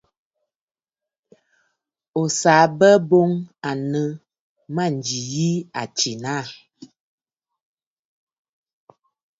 O saꞌa bə̂ bo aa nɨ mânjì yìi mə à tsìnə aà.